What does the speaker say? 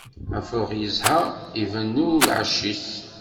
Afrux yezha, ibennu lɛecc-is.